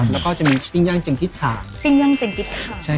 แล้วจะมีสีปิ้งย่างจงกิ๊ดขาย